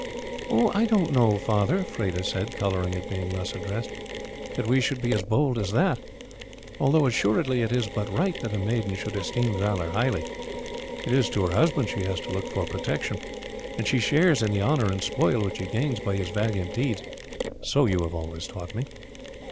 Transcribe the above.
"I don't know, father," Freda said, colouring at being thus addressed, "that we should be as bold as that, although assuredly it is but right that a maiden should esteem valour highly. It is to her husband she has to look for protection, and she shares in the honour and spoil which he gains by his valiant deeds, so you have always taught me."